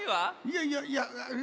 いやいやいや。